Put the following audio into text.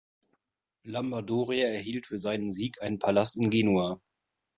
Lamba Doria erhielt für seinen Sieg einen Palast in Genua.